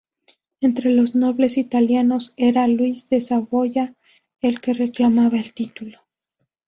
Entre los nobles italianos, era Luis de Saboya el que reclamaba el título.